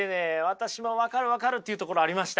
私も分かる分かるっていうところありました。